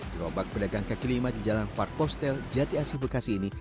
gerobak pedagang kaki lima di jalan part postel jati asih bekasi ini